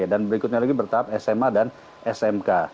dan berikutnya lagi bertahap sma dan smk